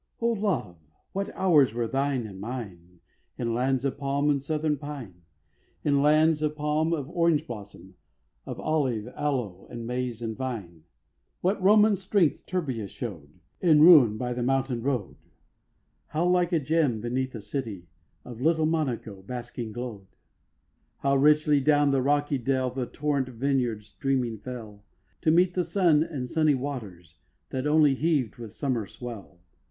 O LOVE, what hours were thine and mine, In lands of palm and southern pine; In lands of palm, of orange blossom, Of olive, aloe, and maize and vine. What Roman strength Turbia show'd In ruin, by the mountain road; How like a gem, beneath, the city Of little Monaco, basking, glow'd. How richly down the rocky dell The torrent vineyard streaming fell To meet the sun and sunny waters, That only heaved with a summer swell.